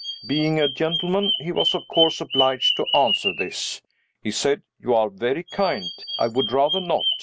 Being a gentleman, he was of course obliged to answer this. He said, "You are very kind; I would rather not.